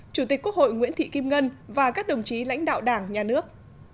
chủ tịch quốc hội nguyễn thị kim ngân và các đồng chí lãnh đạo đảng nhà nước